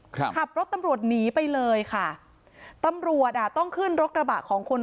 ขับรถตำรวจหนีไปเลยค่ะตำรวจอ่ะต้องขึ้นรถกระบะของคน